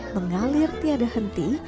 mengalir tiada henti